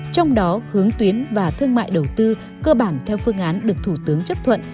trong đó hướng tuyến và thương mại đầu tư cơ bản theo phương án được thủ tướng chấp thuận